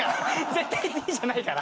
絶対Ｄじゃないから。